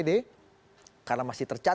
karena masih tercatat sebagai anggota partai politik